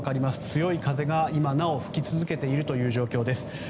強い風が今なお吹き続けている状況です。